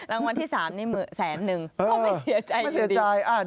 รางวัลที่๓นี่แสนนึงก็ไม่เสียใจเสียใจ